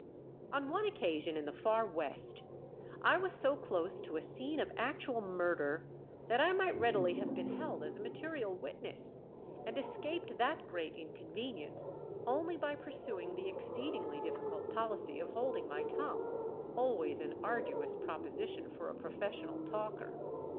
On one occasion in the Far West I was so close to a scene of actual murder that I might readily have been held as a material witness, and escaped that great inconvenience only by pursuing the exceedingly difficult policy of holding my tongue always an arduous proposition for a professional talker.